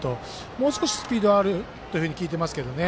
もう少し、スピードあるというふうに聞いてますけどね。